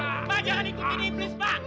ma'a jangan ikutin iblis ma'a